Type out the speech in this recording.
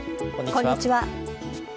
こんにちは。